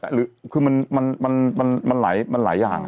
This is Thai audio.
หรืออะไรก็แล้วคือมันหลายอย่าง